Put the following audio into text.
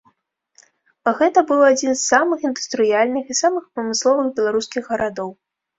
Гэта быў адзін з самых індустрыяльных і самых прамысловых беларускіх гарадоў.